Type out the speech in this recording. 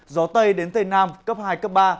gió tây đến tây nam cấp hai cấp ba